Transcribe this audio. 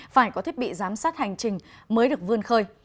phải có thiết bị giám sát hành trình mới được vươn khơi